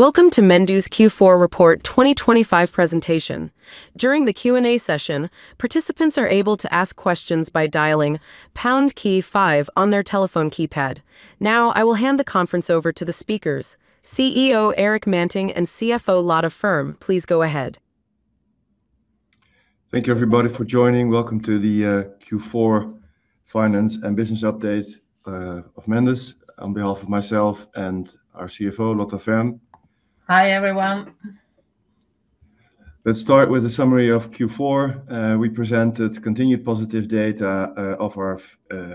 Welcome to Mendus Q4 report 2025 presentation. During the Q&A session, participants are able to ask questions by dialing pound key five on their telephone keypad. Now I will hand the conference over to the speakers: CEO Erik Manting and CFO Lotta Ferm, please go ahead. Thank you everybody for joining. Welcome to the Q4 finance and business update of Mendus on behalf of myself and our CFO Lotta Ferm. Hi everyone. Let's start with a summary of Q4. We presented continued positive data of our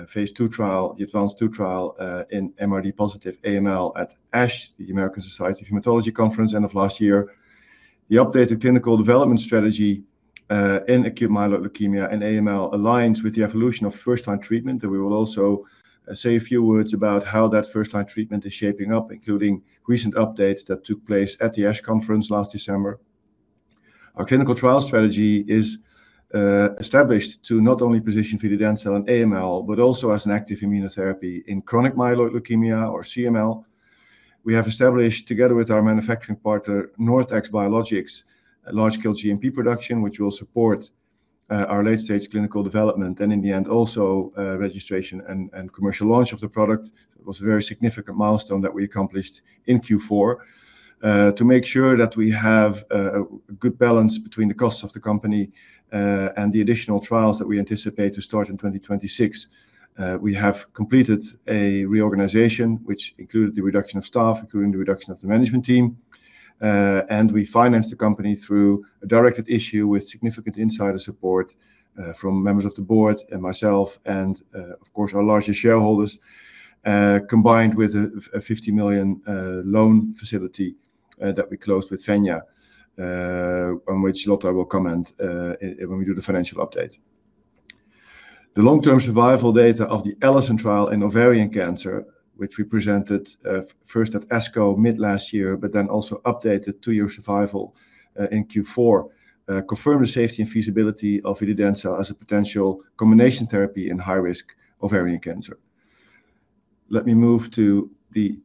phase II trial, the ADVANCE II trial, in MRD-positive AML at ASH, the American Society of Hematology Conference, end of last year. The updated clinical development strategy in acute myeloid leukemia and AML aligns with the evolution of first-line treatment, and we will also say a few words about how that first-line treatment is shaping up, including recent updates that took place at the ASH conference last December. Our clinical trial strategy is established to not only position vididencel and AML but also as an active immunotherapy in chronic myeloid leukemia, or CML. We have established together with our manufacturing partner NorthX Biologics a large-scale GMP production, which will support our late-stage clinical development and, in the end, also registration and commercial launch of the product. It was a very significant milestone that we accomplished in Q4, to make sure that we have a good balance between the costs of the company, and the additional trials that we anticipate to start in 2026. We have completed a reorganization, which included the reduction of staff, including the reduction of the management team, and we financed the company through a directed issue with significant insider support, from members of the board and myself and, of course, our larger shareholders, combined with a 50 million loan facility, that we closed with Fenja, on which Lotta will comment, it when we do the financial update. The long-term survival data of the ALISON trial in ovarian cancer, which we presented, first at ASCO mid last year but then also updated two-year survival, in Q4, confirmed the safety and feasibility of vididencel as a potential combination therapy in high-risk ovarian cancer. Let me move to the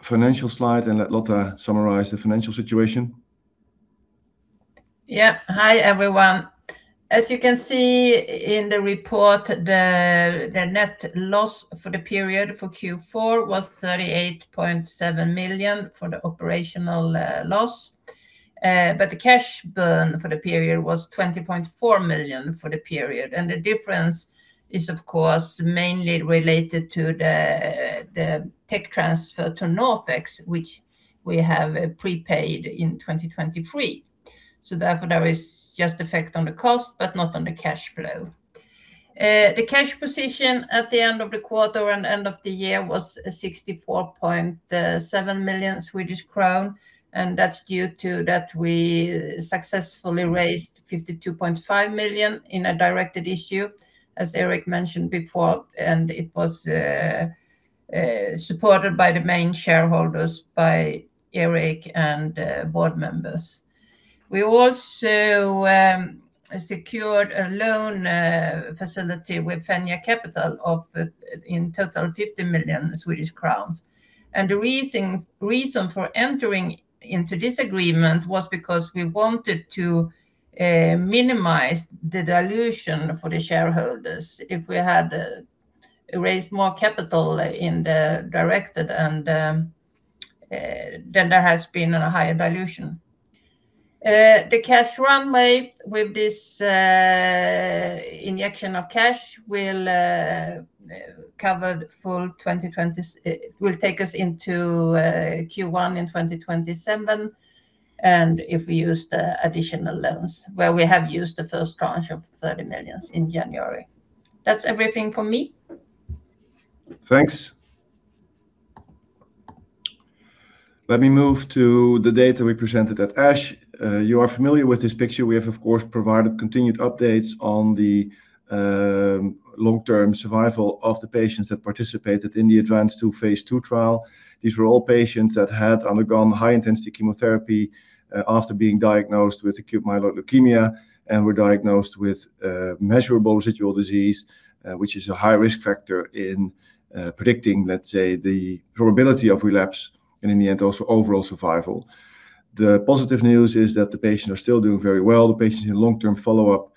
financial slide and let Lotta summarize the financial situation. Yep. Hi everyone. As you can see in the report, the net loss for the period for Q4 was 38.7 million for the operational loss, but the cash burn for the period was 20.4 million for the period, and the difference is, of course, mainly related to the tech transfer to NorthX Biologics, which we have prepaid in 2023. So therefore there is just effect on the cost but not on the cash flow. The cash position at the end of the quarter and end of the year was 64.7 million Swedish crown, and that's due to that we successfully raised 52.5 million in a directed issue, as Erik mentioned before, and it was supported by the main shareholders, by Erik and board members. We also secured a loan facility with Fenja Capital of in total 50 million Swedish crowns, and the reason for entering into this agreement was because we wanted to minimize the dilution for the shareholders if we had raised more capital in the directed and then there has been a higher dilution. The cash runway with this injection of cash will cover the full 2020s. It will take us into Q1 in 2027 and if we use the additional loans, where we have used the first tranche of 30 million in January. That's everything from me. Thanks. Let me move to the data we presented at ASH. You are familiar with this picture. We have, of course, provided continued updates on the long-term survival of the patients that participated in the ADVANCE II phase II trial. These were all patients that had undergone high-intensity chemotherapy after being diagnosed with acute myeloid leukemia and were diagnosed with measurable residual disease, which is a high-risk factor in predicting, let's say, the probability of relapse and, in the end, also overall survival. The positive news is that the patients are still doing very well. The patients in long-term follow-up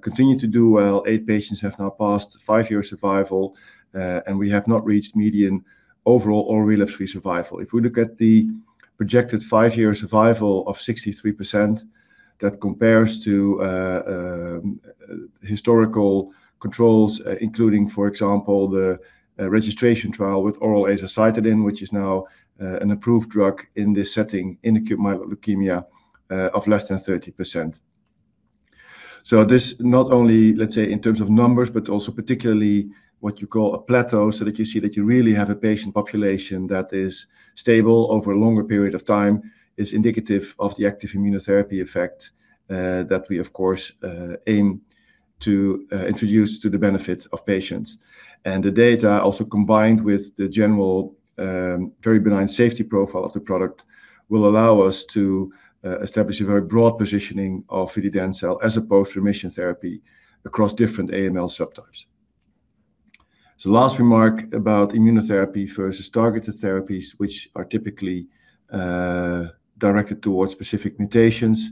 continue to do well. Eight patients have now passed five-year survival, and we have not reached median overall or relapse-free survival. If we look at the projected five-year survival of 63%, that compares to historical controls, including, for example, the registration trial with oral azacitidine, which is now an approved drug in this setting in acute myeloid leukemia, of less than 30%. So this not only, let's say, in terms of numbers but also particularly what you call a plateau so that you see that you really have a patient population that is stable over a longer period of time is indicative of the active immunotherapy effect, that we, of course, aim to introduce to the benefit of patients. And the data also combined with the general very benign safety profile of the product will allow us to establish a very broad positioning of vididencel as a post-remission therapy across different AML subtypes. So last remark about immunotherapy versus targeted therapies, which are typically directed towards specific mutations.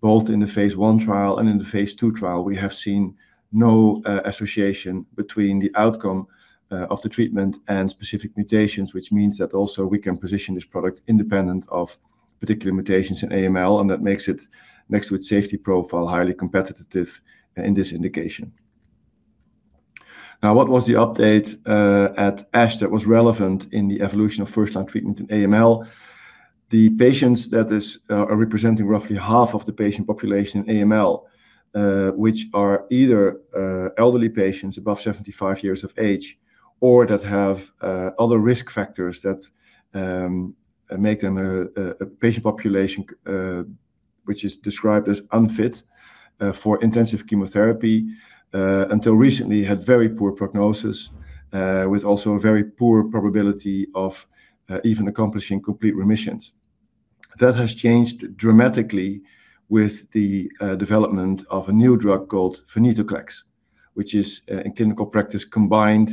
Both in the phase I trial and in the phase II trial, we have seen no association between the outcome of the treatment and specific mutations, which means that also we can position this product independent of particular mutations in AML, and that makes it next to its safety profile highly competitive in this indication. Now, what was the update at ASH that was relevant in the evolution of first-line treatment in AML? The patients that is are representing roughly half of the patient population in AML, which are either elderly patients above 75 years of age or that have other risk factors that make them a patient population which is described as unfit for intensive chemotherapy until recently had very poor prognosis with also a very poor probability of even accomplishing complete remissions. That has changed dramatically with the development of a new drug called venetoclax, which is in clinical practice combined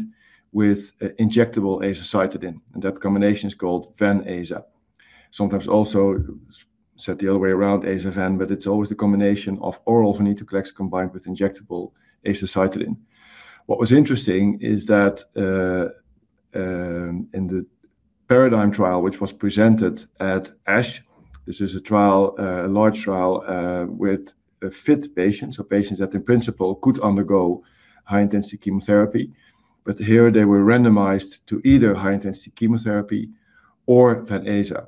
with injectable azacitidine, and that combination is called VenAza. Sometimes also said the other way around, Azaven, but it's always the combination of oral venetoclax combined with injectable azacitidine. What was interesting is that in the paradigm trial which was presented at ASH, this is a trial, a large trial, with fit patients, so patients that in principle could undergo high-intensity chemotherapy, but here they were randomized to either high-intensity chemotherapy or VenAza.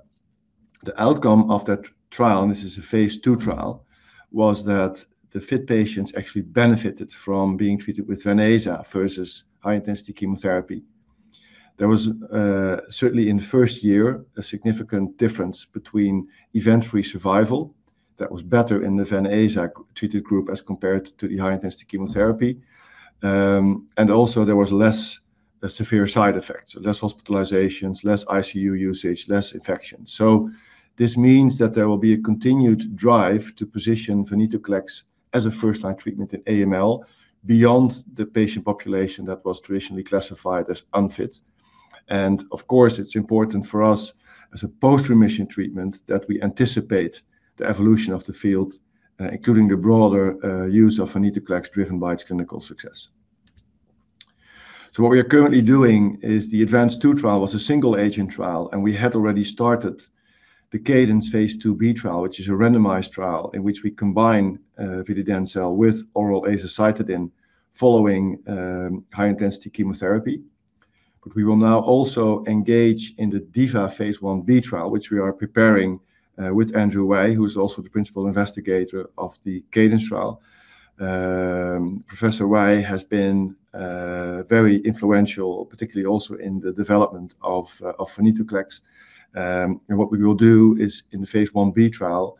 The outcome of that trial, and this is a phase II trial, was that the fit patients actually benefited from being treated with VenAza versus high-intensity chemotherapy. There was certainly, in the first year, a significant difference between event-free survival that was better in the VenAza-treated group as compared to the high-intensity chemotherapy, and also there was less severe side effects, so less hospitalizations, less ICU usage, less infections. So this means that there will be a continued drive to position venetoclax as a first-line treatment in AML beyond the patient population that was traditionally classified as unfit. And of course, it's important for us as a post-remission treatment that we anticipate the evolution of the field, including the broader use of venetoclax driven by its clinical success. So what we are currently doing is the ADVANCE II trial was a single-agent trial, and we had already started the CADENCE phase IIb trial, which is a randomized trial in which we combine vididencel with oral azacitidine following high-intensity chemotherapy. But we will now also engage in the DIVA phase Ib trial, which we are preparing, with Andrew Wei, who is also the principal investigator of the CADENCE trial. Professor Wei has been very influential, particularly also in the development of venetoclax. And what we will do is, in the phase Ib trial,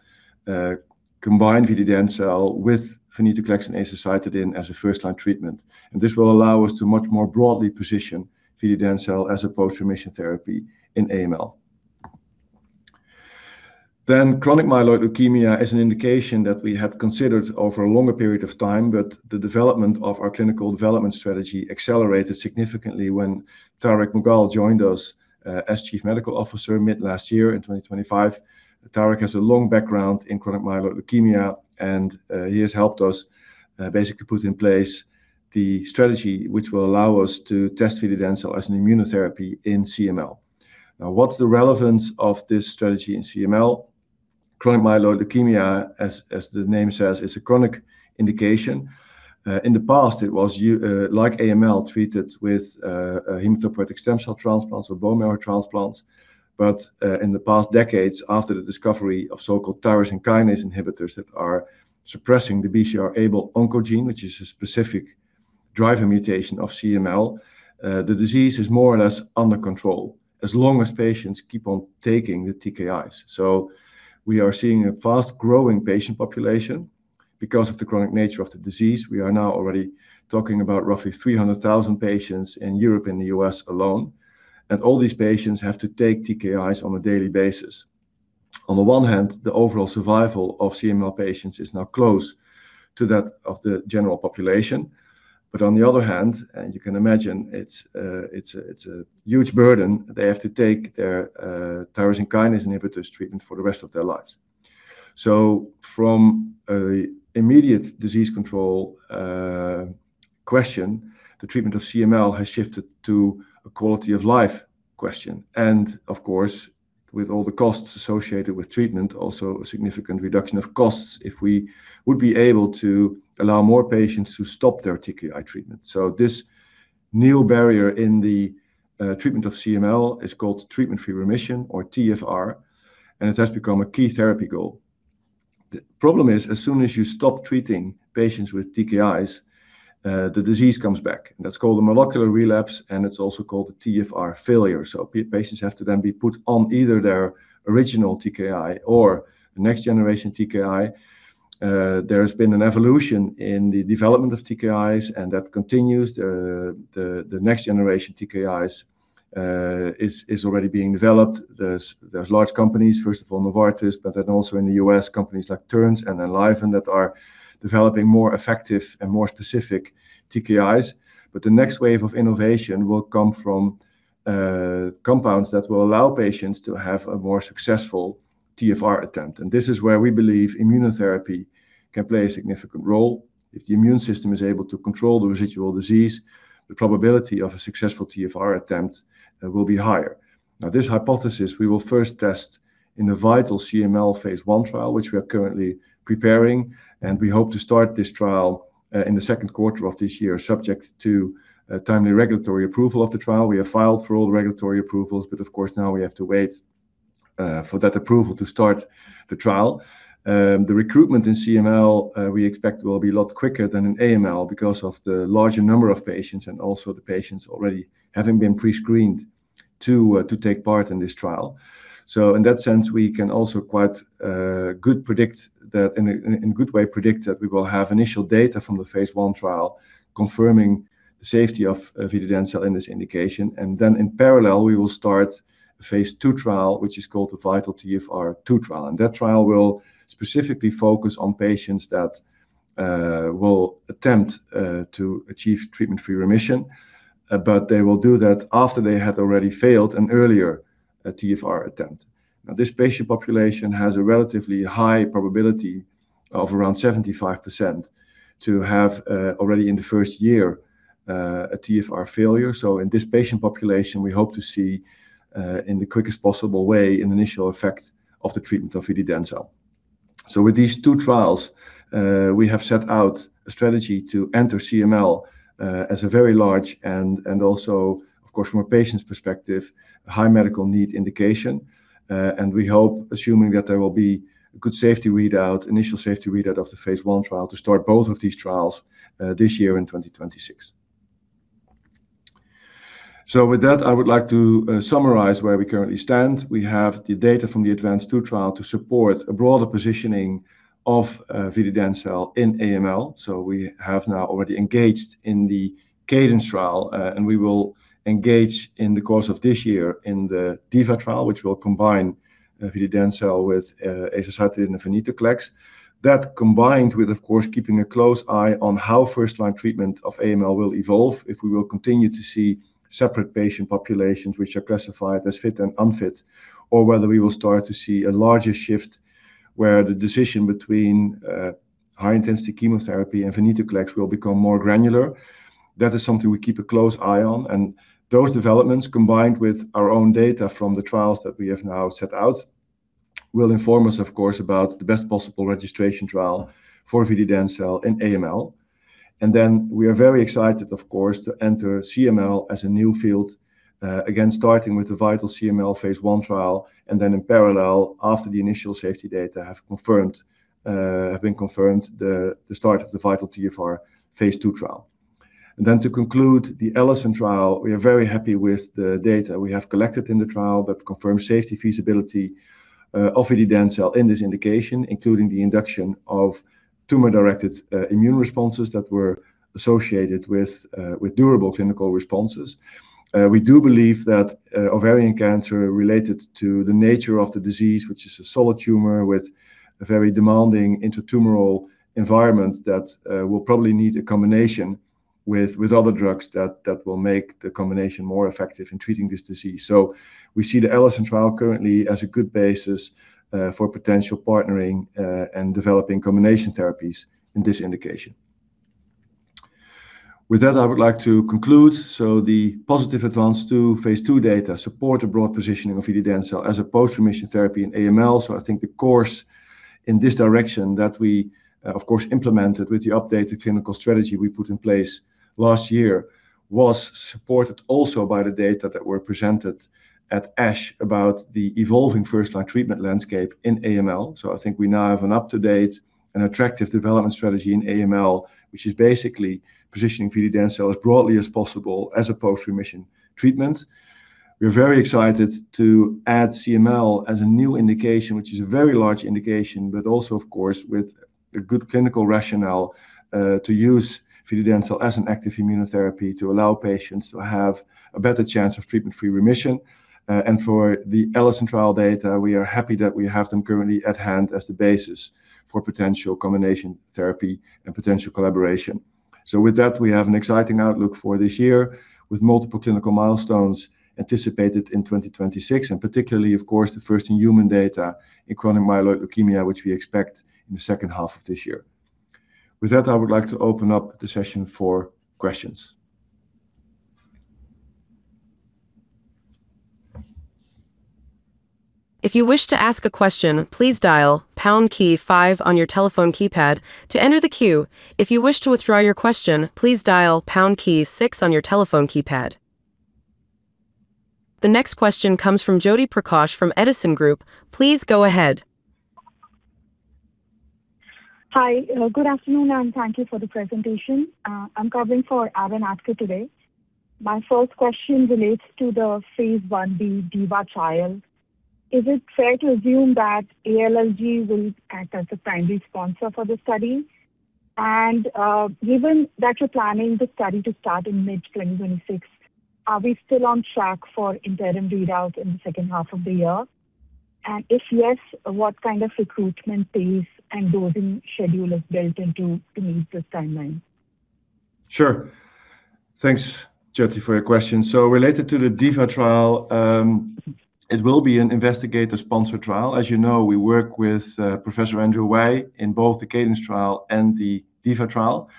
combine vididencel with venetoclax and azacitidine as a first-line treatment, and this will allow us to much more broadly position vididencel as a post-remission therapy in AML. Then chronic myeloid leukemia is an indication that we had considered over a longer period of time, but the development of our clinical development strategy accelerated significantly when Tarek Mughal joined us, as Chief Medical Officer mid last year in 2025. Tarek has a long background in chronic myeloid leukemia, and he has helped us basically put in place the strategy which will allow us to test vididencel as an immunotherapy in CML. Now, what's the relevance of this strategy in CML? Chronic myeloid leukemia, as the name says, is a chronic indication. In the past it was, like AML, treated with hematopoietic stem cell transplants or bone marrow transplants, but in the past decades after the discovery of so-called tyrosine kinase inhibitors that are suppressing the BCR-ABL oncogene, which is a specific driver mutation of CML, the disease is more or less under control as long as patients keep on taking the TKIs. So we are seeing a fast-growing patient population. Because of the chronic nature of the disease, we are now already talking about roughly 300,000 patients in Europe and the U.S. alone, and all these patients have to take TKIs on a daily basis. On the one hand, the overall survival of CML patients is now close to that of the general population, but on the other hand, and you can imagine, it's a huge burden they have to take their tyrosine kinase inhibitors treatment for the rest of their lives. So from a immediate disease control question, the treatment of CML has shifted to a quality of life question, and of course, with all the costs associated with treatment, also a significant reduction of costs if we would be able to allow more patients to stop their TKI treatment. So this new barrier in the treatment of CML is called treatment-free remission, or TFR, and it has become a key therapy goal. The problem is, as soon as you stop treating patients with TKIs, the disease comes back, and that's called a molecular relapse, and it's also called a TFR failure. So patients have to then be put on either their original TKI or a next-generation TKI. There has been an evolution in the development of TKIs, and that continues. The next-generation TKIs is already being developed. There's large companies, first of all Novartis, but then also in the U.S. companies like Terns and Enliven that are developing more effective and more specific TKIs. But the next wave of innovation will come from compounds that will allow patients to have a more successful TFR attempt, and this is where we believe immunotherapy can play a significant role. If the immune system is able to control the residual disease, the probability of a successful TFR attempt will be higher. Now, this hypothesis we will first test in the VITAL-CML phase I trial, which we are currently preparing, and we hope to start this trial in the second quarter of this year subject to timely regulatory approval of the trial. We have filed for all the regulatory approvals, but of course now we have to wait for that approval to start the trial. The recruitment in CML we expect will be a lot quicker than in AML because of the larger number of patients and also the patients already having been prescreened to take part in this trial. So in that sense, we can also quite good predict that in a good way we will have initial data from the phase I trial confirming the safety of vididencel in this indication, and then in parallel we will start a phase II trial, which is called the VITAL-TFR trial. And that trial will specifically focus on patients that will attempt to achieve treatment-free remission, but they will do that after they had already failed an earlier TFR attempt. Now, this patient population has a relatively high probability of around 75% to have, already in the first year, a TFR failure, so in this patient population we hope to see, in the quickest possible way an initial effect of the treatment of vididencel. So with these two trials, we have set out a strategy to enter CML, as a very large and, and also, of course, from a patient's perspective, a high medical need indication, and we hope, assuming that there will be a good safety readout, initial safety readout of the phase I trial to start both of these trials, this year in 2026. So with that, I would like to, summarize where we currently stand. We have the data from the ADVANCE II trial to support a broader positioning of, vididencel in AML. So we have now already engaged in the CADENCE trial, and we will engage in the course of this year in the DIVA trial, which will combine vididencel with azacitidine and venetoclax, that combined with, of course, keeping a close eye on how first-line treatment of AML will evolve, if we will continue to see separate patient populations which are classified as fit and unfit, or whether we will start to see a larger shift where the decision between high-intensity chemotherapy and venetoclax will become more granular. That is something we keep a close eye on, and those developments combined with our own data from the trials that we have now set out will inform us, of course, about the best possible registration trial for vididencel in AML. And then we are very excited, of course, to enter CML as a new field, again starting with the VITAL-CML phase I trial and then in parallel, after the initial safety data have been confirmed, the start of the VITAL-TFR phase II trial. And then to conclude the ALISON trial, we are very happy with the data we have collected in the trial that confirms safety feasibility of vididencel in this indication, including the induction of tumor-directed immune responses that were associated with durable clinical responses. We do believe that ovarian cancer, related to the nature of the disease, which is a solid tumor with a very demanding intratumoral environment, will probably need a combination with other drugs that will make the combination more effective in treating this disease. So we see the ALISON trial currently as a good basis for potential partnering and developing combination therapies in this indication. With that, I would like to conclude. So the positive ADVANCE II phase II data supports a broad positioning of vididencel as a post-remission therapy in AML, so I think the course in this direction that we, of course, implemented with the updated clinical strategy we put in place last year was supported also by the data that were presented at ASH about the evolving first-line treatment landscape in AML. So I think we now have an up-to-date and attractive development strategy in AML, which is basically positioning vididencel as broadly as possible as a post-remission treatment. We are very excited to add CML as a new indication, which is a very large indication, but also, of course, with a good clinical rationale, to use vididencel as an active immunotherapy to allow patients to have a better chance of treatment-free remission. And for the ALISON trial data, we are happy that we have them currently at hand as the basis for potential combination therapy and potential collaboration. So with that, we have an exciting outlook for this year with multiple clinical milestones anticipated in 2026, and particularly, of course, the first-in-human data in chronic myeloid leukemia, which we expect in the second half of this year. With that, I would like to open up the session for questions. If you wish to ask a question, please dial pound key 5 on your telephone keypad to enter the queue. If you wish to withdraw your question, please dial pound key 6 on your telephone keypad. The next question comes from Jyoti Prakash from Edison Group. Please go ahead. Hi, good afternoon, and thank you for the presentation. I'm calling for Aaron Atker today. My first question relates to the phase Ib DIVA trial. Is it fair to assume that ALLG will act as a primary sponsor for the study? And, given that you're planning the study to start in mid-2026, are we still on track for interim readouts in the second half of the year? And if yes, what kind of recruitment pace and dosing schedule is built in to meet this timeline? Sure. Thanks, Jyoti, for your question. So related to the DIVA trial, it will be an investigator-sponsored trial. As you know, we work with Professor Andrew Wei in both the CADENCE trial and the DIVA trial,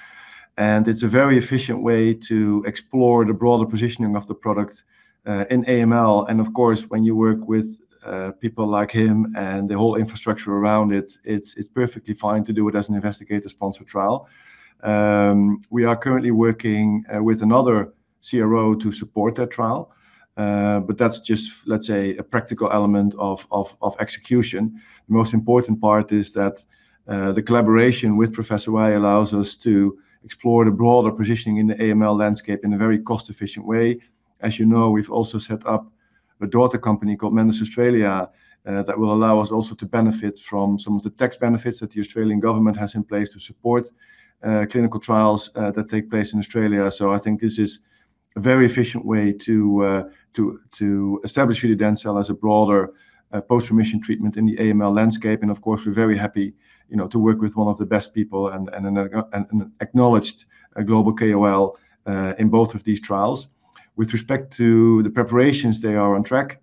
and it's a very efficient way to explore the broader positioning of the product in AML. And of course, when you work with people like him and the whole infrastructure around it, it's perfectly fine to do it as an investigator-sponsored trial. We are currently working with another CRO to support that trial, but that's just, let's say, a practical element of execution. The most important part is that the collaboration with Professor Andrew Wei allows us to explore the broader positioning in the AML landscape in a very cost-efficient way. As you know, we've also set up a daughter company called Mendus Australia, that will allow us also to benefit from some of the tax benefits that the Australian government has in place to support clinical trials that take place in Australia. So I think this is a very efficient way to establish vididencel as a broader post-remission treatment in the AML landscape. And of course, we're very happy, you know, to work with one of the best people and an acknowledged global KOL in both of these trials. With respect to the preparations, they are on track.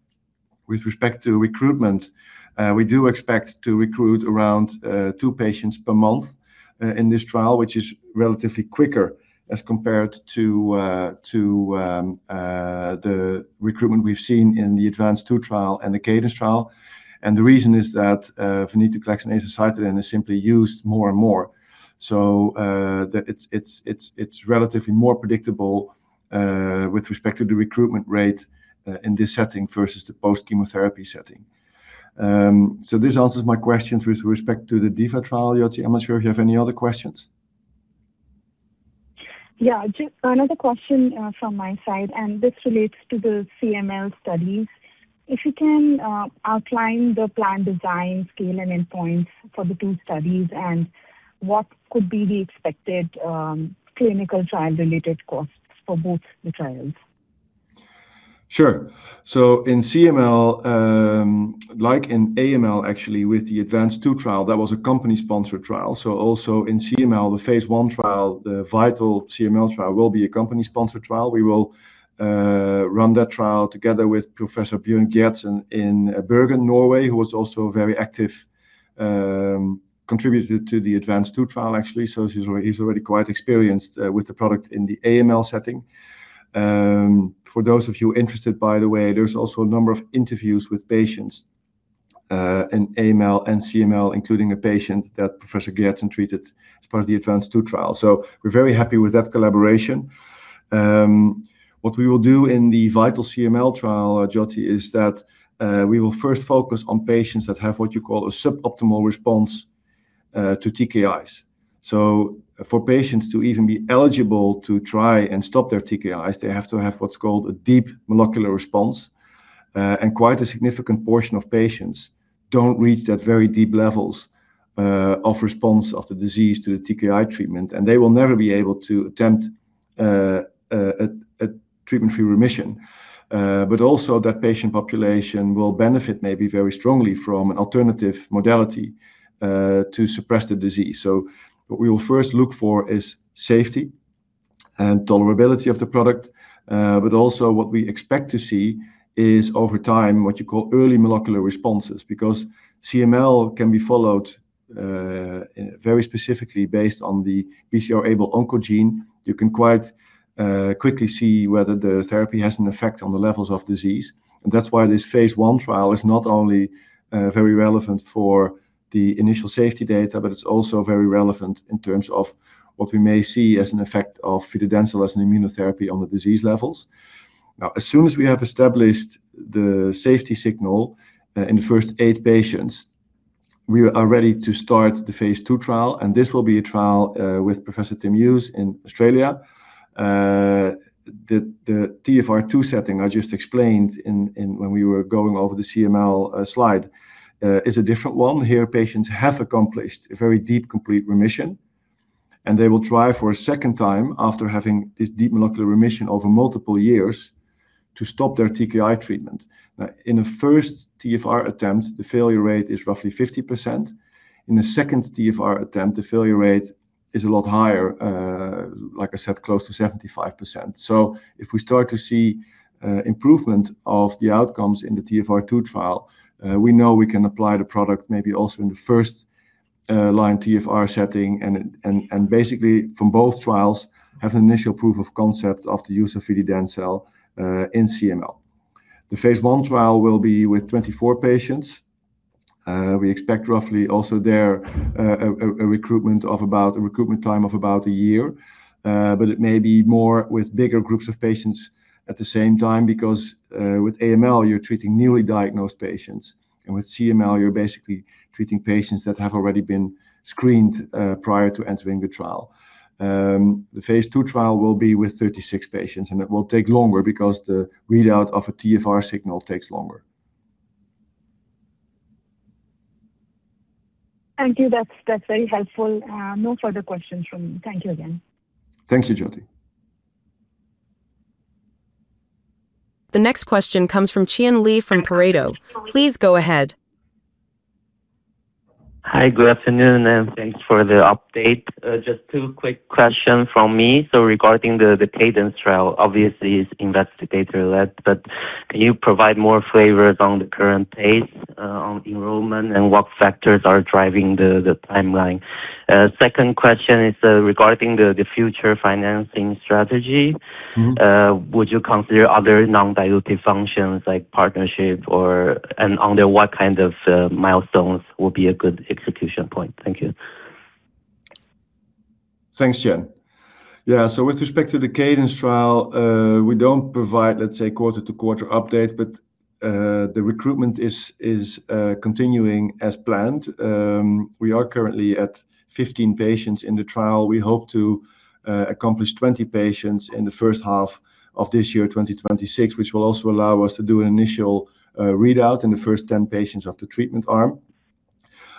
With respect to recruitment, we do expect to recruit around two patients per month in this trial, which is relatively quicker as compared to the recruitment we've seen in the ADVANCE II trial and the CADENCE trial. The reason is that venetoclax and azacitidine are simply used more and more, so that it's relatively more predictable with respect to the recruitment rate in this setting versus the post-chemotherapy setting. So this answers my questions with respect to the DIVA trial, Jyoti. I'm not sure if you have any other questions. Yeah, just another question from my side, and this relates to the CML studies. If you can outline the plan design, scale, and endpoints for the two studies, and what could be the expected clinical trial-related costs for both the trials. Sure. So in CML, like in AML, actually, with the ADVANCE II trial, that was a company-sponsored trial. So also in CML, the phase I trial, the VITAL-CML trial, will be a company-sponsored trial. We will run that trial together with Professor Bjørn Gjertsen in Bergen, Norway, who was also very active, contributed to the ADVANCE II trial, actually, so he's already quite experienced with the product in the AML setting. For those of you interested, by the way, there's also a number of interviews with patients in AML and CML, including a patient that Professor Gjertsen treated as part of the ADVANCE II trial. So we're very happy with that collaboration. What we will do in the VITAL-CML trial, Jyoti, is that we will first focus on patients that have what you call a suboptimal response to TKIs. So for patients to even be eligible to try and stop their TKIs, they have to have what's called a deep molecular response, and quite a significant portion of patients don't reach that very deep levels of response of the disease to the TKI treatment, and they will never be able to attempt a treatment-free remission. But also that patient population will benefit maybe very strongly from an alternative modality to suppress the disease. So what we will first look for is safety and tolerability of the product, but also what we expect to see is, over time, what you call early molecular responses, because CML can be followed very specifically based on the BCR-ABL oncogene. You can quite quickly see whether the therapy has an effect on the levels of disease, and that's why this phase I trial is not only very relevant for the initial safety data, but it's also very relevant in terms of what we may see as an effect of vididencel as an immunotherapy on the disease levels. Now, as soon as we have established the safety signal in the first eight patients, we are ready to start the phase II trial, and this will be a trial with Professor Tim Hughes in Australia. The TFR II setting I just explained when we were going over the CML slide is a different one. Here, patients have accomplished a very deep complete remission, and they will try for a second time after having this deep molecular remission over multiple years to stop their TKI treatment. Now, in a first TFR attempt, the failure rate is roughly 50%. In a second TFR attempt, the failure rate is a lot higher, like I said, close to 75%. So if we start to see improvement of the outcomes in the TFR II trial, we know we can apply the product maybe also in the first-line TFR setting and, and, and basically from both trials have an initial proof of concept of the use of vididencel in CML. The phase I trial will be with 24 patients. We expect roughly also there a recruitment of about a recruitment time of about a year, but it may be more with bigger groups of patients at the same time because with AML, you're treating newly diagnosed patients, and with CML, you're basically treating patients that have already been screened prior to entering the trial. The phase II trial will be with 36 patients, and it will take longer because the readout of a TFR signal takes longer. Thank you. That's, that's very helpful. No further questions from me. Thank you again. Thank you, Jyoti. The next question comes from Qian Li from Pareto. Please go ahead. Hi, good afternoon, and thanks for the update. Just two quick questions from me. So regarding the, the CADENCE trial, obviously it's investigator-led, but can you provide more flavors on the current pace, on enrollment, and what factors are driving the, the timeline? Second question is, regarding the, the future financing strategy. Mm-hmm. Would you consider other non-dilutive functions like partnership or and under what kind of, milestones would be a good execution point? Thank you. Thanks, Qian. Yeah, so with respect to the CADENCE trial, we don't provide, let's say, quarter-to-quarter updates, but the recruitment is continuing as planned. We are currently at 15 patients in the trial. We hope to accomplish 20 patients in the first half of this year, 2026, which will also allow us to do an initial readout in the first 10 patients of the treatment arm.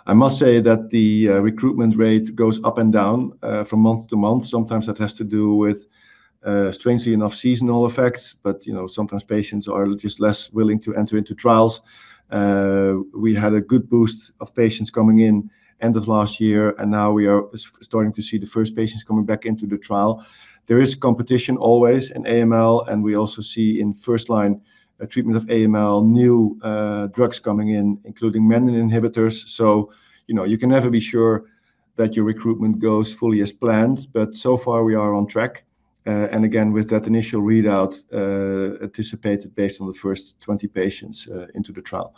I must say that the recruitment rate goes up and down from month to month. Sometimes that has to do with, strangely enough, seasonal effects, but you know, sometimes patients are just less willing to enter into trials. We had a good boost of patients coming in end of last year, and now we are starting to see the first patients coming back into the trial. There is competition always in AML, and we also see in first-line treatment of AML new drugs coming in, including menin inhibitors. So, you know, you can never be sure that your recruitment goes fully as planned, but so far we are on track, and again, with that initial readout anticipated based on the first 20 patients into the trial.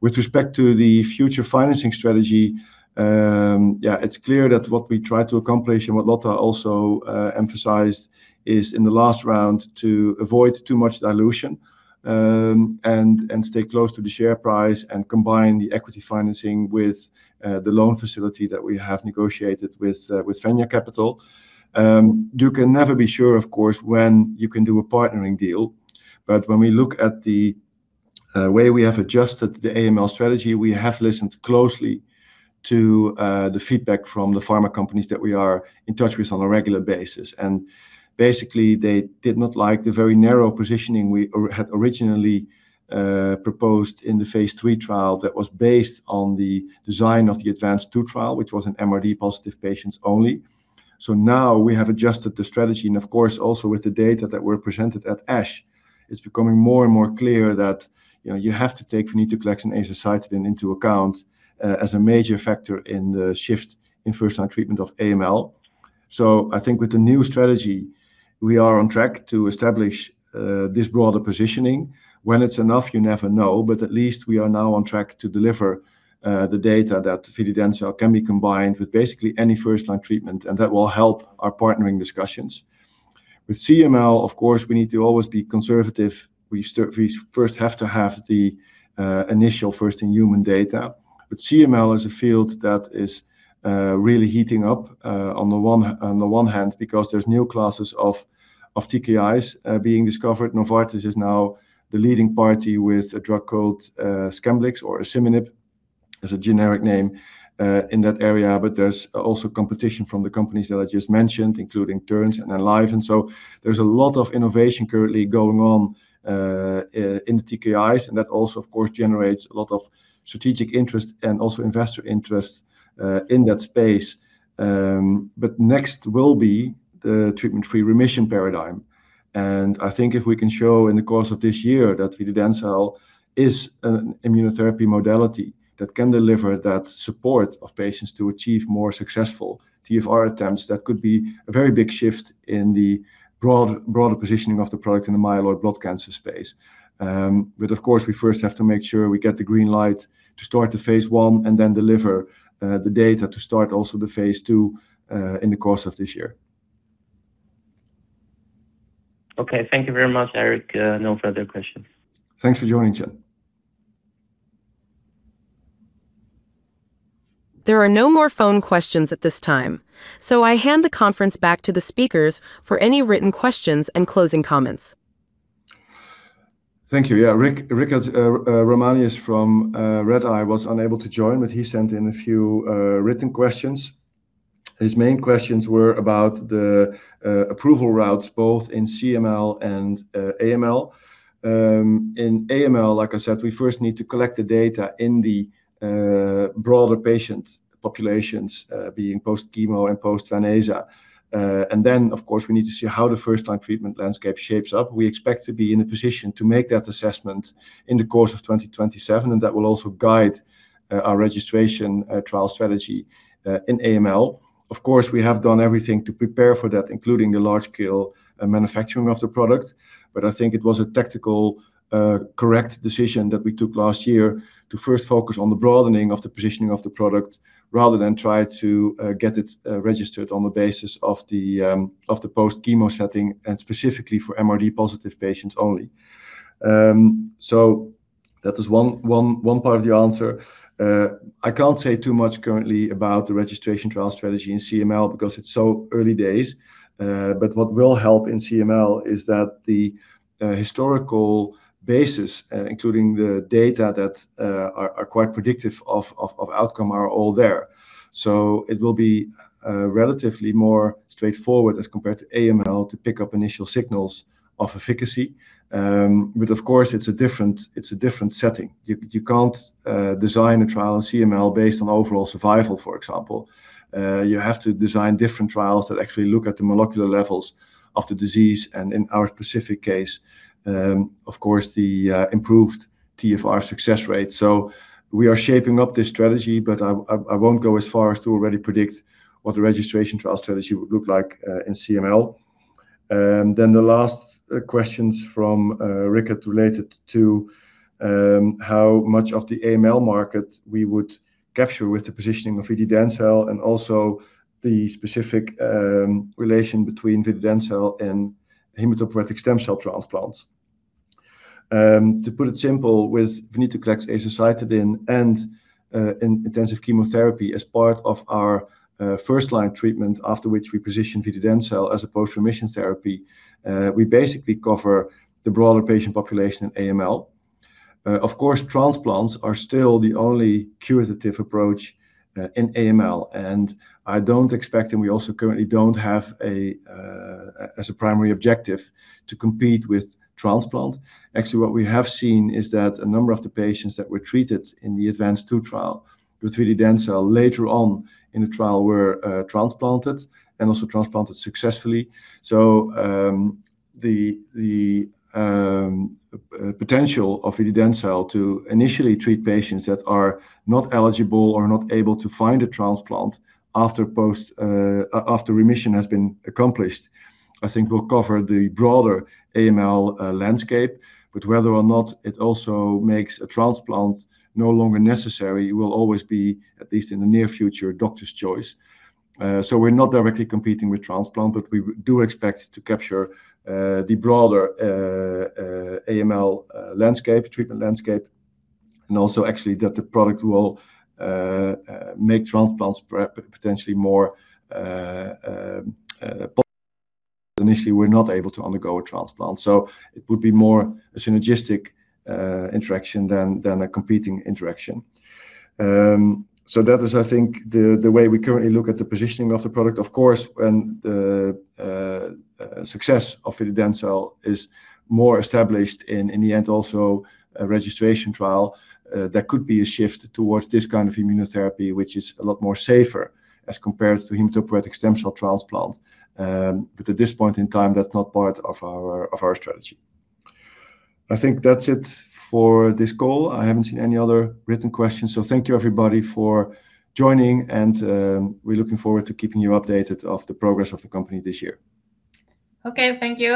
With respect to the future financing strategy, yeah, it's clear that what we try to accomplish and what Lotta also emphasized is in the last round to avoid too much dilution, and stay close to the share price and combine the equity financing with the loan facility that we have negotiated with Fenja Capital. You can never be sure, of course, when you can do a partnering deal, but when we look at the way we have adjusted the AML strategy, we have listened closely to the feedback from the pharma companies that we are in touch with on a regular basis. And basically, they did not like the very narrow positioning we had originally proposed in the phase III trial that was based on the design of the ADVANCE II trial, which was an MRD-positive patients only. So now we have adjusted the strategy, and of course, also with the data that were presented at ASH, it's becoming more and more clear that, you know, you have to take venetoclax and azacitidine into account, as a major factor in the shift in first-line treatment of AML. So I think with the new strategy, we are on track to establish this broader positioning. When it's enough, you never know, but at least we are now on track to deliver the data that vididencel can be combined with basically any first-line treatment, and that will help our partnering discussions. With CML, of course, we need to always be conservative. We first have to have the initial first-in-human data, but CML is a field that is really heating up, on the one hand because there's new classes of TKIs being discovered. Novartis is now the leading party with a drug called Scemblix or asciminib as a generic name, in that area, but there's also competition from the companies that I just mentioned, including Terns and Enliven. And so there's a lot of innovation currently going on in the TKIs, and that also, of course, generates a lot of strategic interest and also investor interest, in that space. Next will be the treatment-free remission paradigm. And I think if we can show in the course of this year that vididencel is an immunotherapy modality that can deliver that support of patients to achieve more successful TFR attempts, that could be a very big shift in the broader positioning of the product in the myeloid blood cancer space. Of course, we first have to make sure we get the green light to start the phase I and then deliver the data to start also the phase II, in the course of this year. Okay. Thank you very much, Erik. No further questions. Thanks for joining, Qian. There are no more phone questions at this time, so I hand the conference back to the speakers for any written questions and closing comments. Thank you. Yeah, Richard Ramanius from Redeye was unable to join, but he sent in a few written questions. His main questions were about the approval routes both in CML and AML. In AML, like I said, we first need to collect the data in the broader patient populations, being post-chemo and post-stem cell. Then, of course, we need to see how the first-line treatment landscape shapes up. We expect to be in a position to make that assessment in the course of 2027, and that will also guide our registration trial strategy in AML. Of course, we have done everything to prepare for that, including the large-scale manufacturing of the product, but I think it was a tactical correct decision that we took last year to first focus on the broadening of the positioning of the product rather than try to get it registered on the basis of the post-chemo setting and specifically for MRD-positive patients only. So that is one part of the answer. I can't say too much currently about the registration trial strategy in CML because it's so early days, but what will help in CML is that the historical basis, including the data that are quite predictive of outcome, are all there. So it will be relatively more straightforward as compared to AML to pick up initial signals of efficacy. But of course, it's a different setting. You can't design a trial in CML based on overall survival, for example. You have to design different trials that actually look at the molecular levels of the disease and, in our specific case, of course, the improved TFR success rate. So we are shaping up this strategy, but I won't go as far as to already predict what the registration trial strategy would look like, in CML. Then the last questions from Rick are related to how much of the AML market we would capture with the positioning of vididencel and also the specific relation between vididencel and hematopoietic stem cell transplants. To put it simply, with venetoclax, azacitidine, and intensive chemotherapy as part of our first-line treatment after which we position vididencel as a post-remission therapy, we basically cover the broader patient population in AML. Of course, transplants are still the only curative approach in AML, and I don't expect, and we also currently don't have, as a primary objective, to compete with transplants. Actually, what we have seen is that a number of the patients that were treated in the ADVANCE II trial with vididencel later on in the trial were transplanted and also transplanted successfully. So, the potential of vididencel to initially treat patients that are not eligible or not able to find a transplant after post-remission has been accomplished, I think, will cover the broader AML landscape, but whether or not it also makes a transplant no longer necessary will always be, at least in the near future, doctors' choice. So we're not directly competing with transplant, but we do expect to capture the broader AML landscape, treatment landscape, and also actually that the product will make transplants prep potentially more positive initially we're not able to undergo a transplant. So it would be more a synergistic interaction than a competing interaction. So that is, I think, the way we currently look at the positioning of the product. Of course, when the success of vididencel is more established in the end also registration trial, there could be a shift towards this kind of immunotherapy, which is a lot more safer as compared to hematopoietic stem cell transplant. But at this point in time, that's not part of our strategy. I think that's it for this call. I haven't seen any other written questions, so thank you, everybody, for joining, and we're looking forward to keeping you updated of the progress of the company this year. Okay. Thank you.